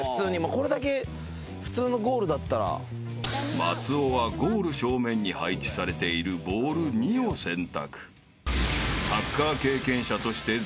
［松尾はゴール正面に配置されているボール２を選択］